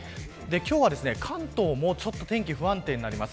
今日は関東も天気が不安定になります。